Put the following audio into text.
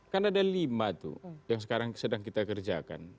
kan ada lima tuh yang sekarang sedang kita kerjakan